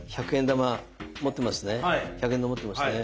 １００円玉持ってますね？